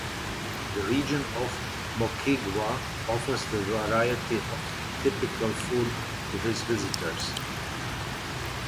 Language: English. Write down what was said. The Region of Moquegua offers a variety of typical food to his visitors.